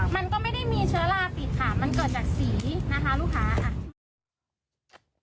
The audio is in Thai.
มันก็ไม่ได้มีเชื้อราปิดค่ะมันเกิดจากสีนะคะลูกค้าอ่ะ